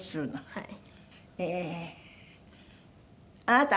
はい。